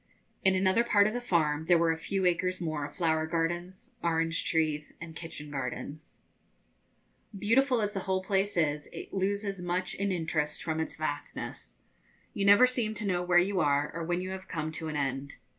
In another part of the farm there were a few acres more of flower gardens, orange trees, and kitchen gardens. [Illustration: What makes Horses go in Chili] Beautiful as the whole place is, it loses much in interest from its vastness. You never seem to know where you are, or when you have come to an end.